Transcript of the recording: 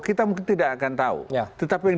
kita mungkin tidak akan tahu tetapi yang